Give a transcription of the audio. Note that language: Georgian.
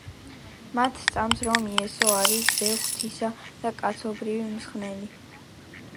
მათ სწამთ რომ იესო არის ძე ღვთისა და კაცობრიობის მხსნელი.